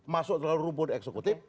masuk dalam rumpun eksekutif